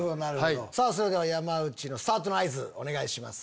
それでは山内のスタートの合図お願いします。